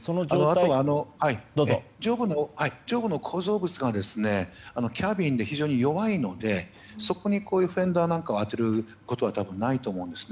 ただ、構造物がキャビンで非常に弱いのでそこでこういうフェンダーを当てることはたぶんないと思います